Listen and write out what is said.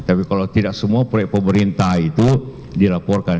tapi kalau tidak semua proyek pemerintah itu dilaporkan